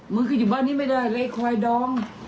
มึงก็อยู่บ้านนี้ไม่ได้เลยคอยดอม